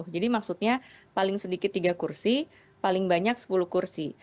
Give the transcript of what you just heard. jadi maksudnya paling sedikit tiga kursi paling banyak sepuluh kursi